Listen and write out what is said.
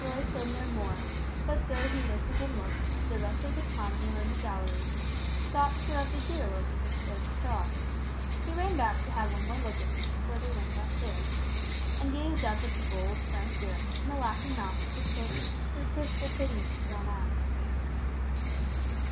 Roy said no more, but though he listened and looked, the rest of the time they were in the gallery, his thoughts were with the hero of the Victoria Cross. He ran back to have one more look at him before they went downstairs, and gazed up at the bold, frank bearing, and the laughing mouth of the soldier, with wistful pity in his brown eyes.